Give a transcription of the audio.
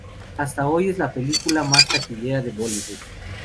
Hasta hoy, es la película más taquillera de Bollywood.